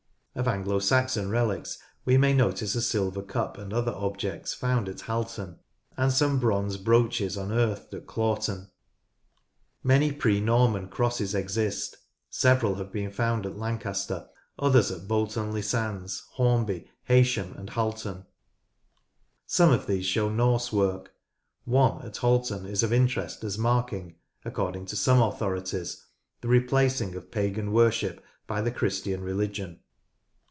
Of Anglo Saxon relics we may notice a silver cup and other objects found at Halton, and some bronze brooches unearthed at Claughton. Many pre Norman crosses exist. Several have been found at Lancaster, others at Bolton le Sands, Hornby, Heysham, and Halton. Some of these show Norse work. One at Halton is of interest as marking, according to some authorities, the replacing of pagan worship by the Christian religion.